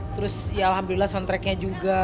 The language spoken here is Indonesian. terus ya alhamdulillah soundtracknya juga